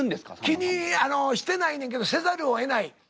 気にしてないねんけどせざるをえない。